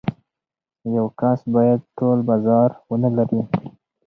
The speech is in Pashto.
یو کس باید ټول بازار ونلري.